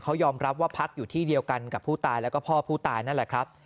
เขายอมรับว่าพักอยู่ที่เดียวกันกับผู้ตายแล้วก็พ่อผู้ตายนั่นแหละครับ